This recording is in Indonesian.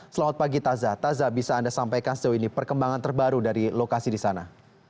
selamat pagi tazah taza bisa anda sampaikan sejauh ini perkembangan terbaru dari lokasi di sana